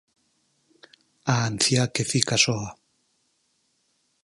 A anciá que fica soa.